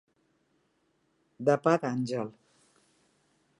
De pa d'àngel.